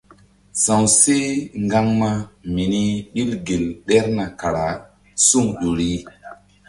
Sa̧w seh ŋgaŋma mini ɓil gel ɗerna kara suŋ ƴo ri.